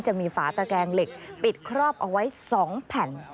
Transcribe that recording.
จะมีฝาตะแกงเหล็กปิดครอบเอาไว้๒แผ่น